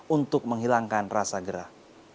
untuk menghilangkan rasa gerah